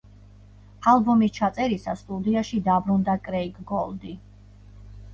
ალბომის ჩაწერისას სტუდიაში დაბრუნდა კრეიგ გოლდი.